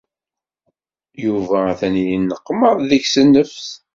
Yuba atan yenneqmaḍ deg-s nnefs.